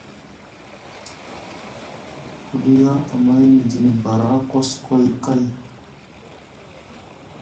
Ku ɗiya amay midini bara koskoy kay.